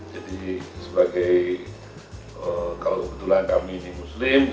jadi sebagai kalau kebetulan kami ini muslim